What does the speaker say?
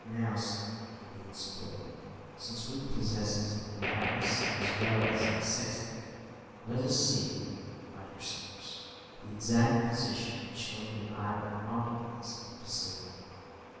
"Now," said Gideon Spilett, "since we possess an atlas as well as a sextant, let us see, my dear Cyrus, the exact position which Lincoln Island occupies in the Pacific."